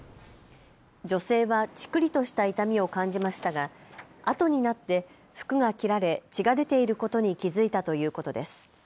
女性はチクリとした痛みを感じましたが、あとになって服が切られ血が出ていることに気付いたということです。